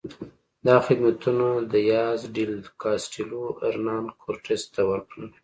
دا خدمتونه دیاز ډیل کاسټیلو هرنان کورټس ته وکړل.